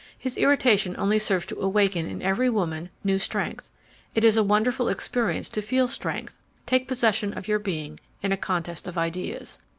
His irritation only serves to awaken in every woman new strength. It is a wonderful experience to feel strength take possession of your being in a contest of ideas.